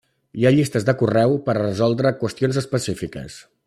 Hi ha llistes de correu per a resoldre qüestions específiques.